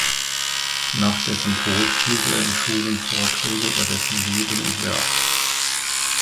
Nach dessen Tod hielt er in Schulen Vorträge über dessen Leben und Werk.